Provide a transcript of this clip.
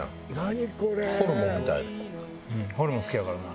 ホルモン好きやからな。